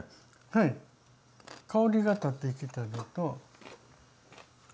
はい香りが立ってきたのと。